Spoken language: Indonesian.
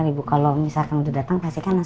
ya kenapa nggak apa apa kan